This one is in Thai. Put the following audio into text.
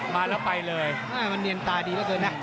มาแล้วไปเลยมันเนียนตาดีเหลือเกินนะ